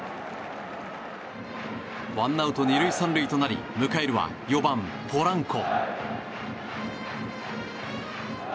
ワンアウト２塁３塁となり迎えるは４番、ポランコ。